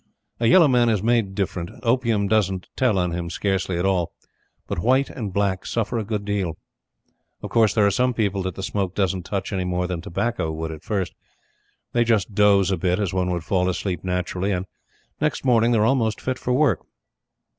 A yellow man is made different. Opium doesn't tell on him scarcely at all; but white and black suffer a good deal. Of course, there are some people that the Smoke doesn't touch any more than tobacco would at first. They just doze a bit, as one would fall asleep naturally, and next morning they are almost fit for work.